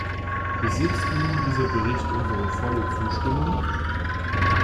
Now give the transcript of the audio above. Besitzt nun dieser Bericht unsere volle Zustimmung?